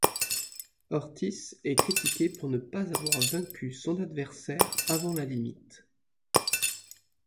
Ortiz est critiqué pour ne pas avoir vaincu son adversaire avant la limite.